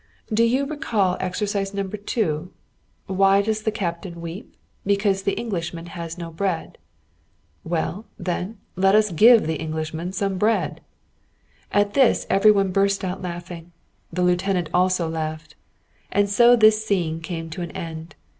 "Do you recollect exercise No. 2: 'Why does the Captain weep? Because the Englishman has no bread.' Well, then, let us give the Englishman some bread." At this every one burst out laughing. The lieutenant also laughed. And so this scene came to an end.